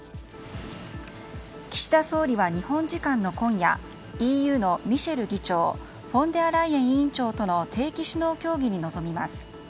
岸田総理は日本時間の今夜ＥＵのミシェル議長フォンデアライエン委員長との定期首脳協議に臨みます。